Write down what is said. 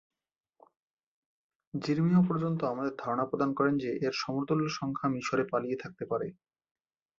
যিরমিয় পর্যন্ত আমাদের ধারণা প্রদান করেন যে এর সমতুল্য সংখ্যা মিশরে পালিয়ে থাকতে পারে।